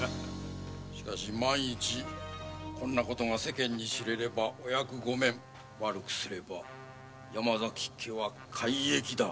しかし万一こんな事が世間に知れれば御役御免悪くすれば山崎家は改易だ。